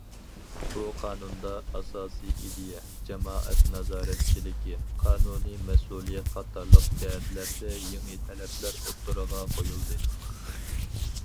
بۇ قانۇندا ئاساسىي ئىدىيە، جامائەت نازارەتچىلىكى، قانۇنىي مەسئۇلىيەت قاتارلىق جەھەتلەردە يېڭى تەلەپلەر ئوتتۇرىغا قويۇلدى.